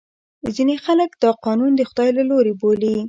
ځینې خلکو دا قانون د خدای له لورې بولي.